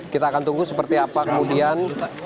kita akan tunggu seperti apa kemudian